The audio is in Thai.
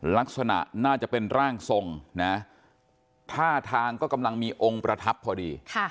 ลักษณะน่าจะเป็นร่างทรงนะท่าทางก็กำลังมีองค์ประทับพอดี